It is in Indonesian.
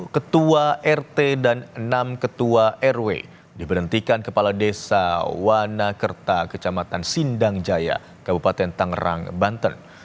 dua puluh satu ketua rt dan enam ketua rw diberhentikan kepala desa wanakerta kecamatan sindangjaya kabupaten tangerang banten